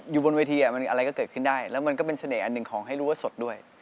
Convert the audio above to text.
อยู่บนเวทีมันอะไรก็เกิดขึ้นได้แล้วมันก็เป็นเสน่หอันหนึ่งของให้รู้ว่าสดด้วย